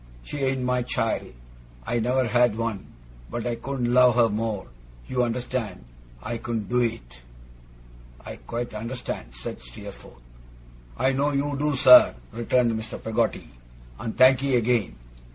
She ain't my child; I never had one; but I couldn't love her more. You understand! I couldn't do it!' 'I quite understand,' said Steerforth. 'I know you do, sir,' returned Mr. Peggotty, 'and thankee again.